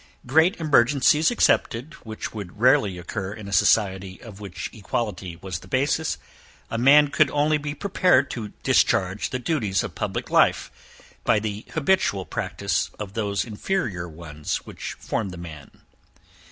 Great emergencies excepted, which would rarely occur in a society of which equality was the basis, a man could only be prepared to discharge the duties of public life, by the habitual practice of those inferior ones which form the man.